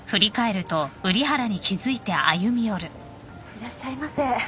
いらっしゃいませ。